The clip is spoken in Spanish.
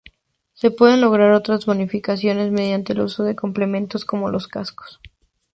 Se pueden lograr otras bonificaciones mediante el uso de complementos, como los Cascos.